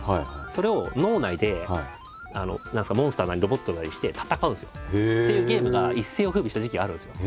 それを脳内でモンスターなりロボットなりにして戦うんですよ。っていうゲームが一世を風靡した時期があるんですよ。